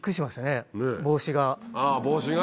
帽子が。